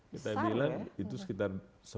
kita bilang itu sekitar